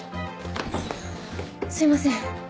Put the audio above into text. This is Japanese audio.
すいません